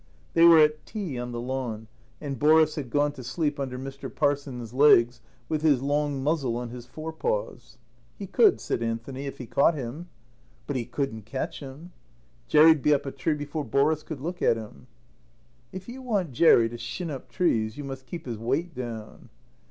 They were at tea on the lawn, and Boris had gone to sleep under Mr. Parsons' legs with his long muzzle on his forepaws. "He could," said Anthony, "if he caught him." "But he couldn't catch him. Jerry'd be up a tree before Boris could look at him." "If you want Jerry to shin up trees you must keep his weight down."